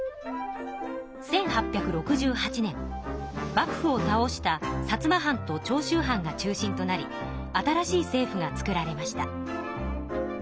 幕府を倒した薩摩藩と長州藩が中心となり新しい政府が作られました。